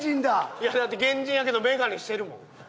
いやだって原人やけどメガネしてるもん。